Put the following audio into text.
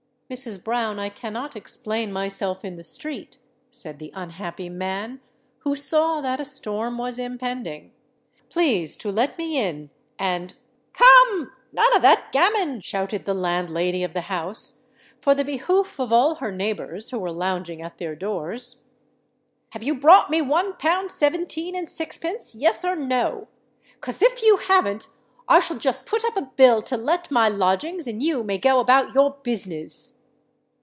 "Mrs. Brown, I cannot explain myself in the street," said the unhappy man, who saw that a storm was impending. "Please to let me in—and——" "Come—none of that gammon!" shouted the landlady of the house, for the behoof of all her neighbours who were lounging at their doors. "Have you brought me one pound seventeen and sixpence—yes or no? 'Cos, if you haven't, I shall just put up a bill to let my lodgings—and you may go about your business."